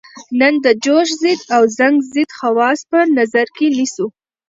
نن د جوش ضد او زنګ ضد خواص په نظر کې نیسو.